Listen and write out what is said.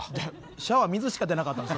シャワー水しか出なかったです。